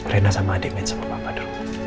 rena sama adik main sama mama dulu